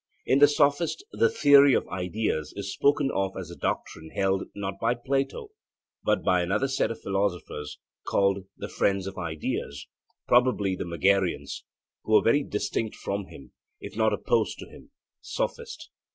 In the Sophist the theory of ideas is spoken of as a doctrine held not by Plato, but by another sect of philosophers, called 'the Friends of Ideas,' probably the Megarians, who were very distinct from him, if not opposed to him (Sophist).